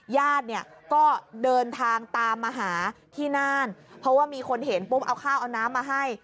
ญาติเนี่ยก็เดินทางตามมาหาที่น่านเพราะว่ามีคนเห็นปุ๊บเอาข้าวเอาน้ำมาให้